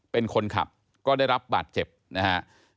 เป็นคนขับก็ได้รับบาดเจ็บนะครับ